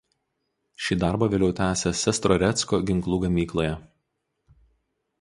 Šį darbą vėliau tesė Sestrorecko ginklų gamykloje.